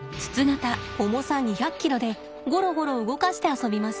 重さ２００ｋｇでゴロゴロ動かして遊びます。